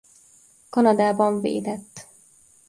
Kanadában védett.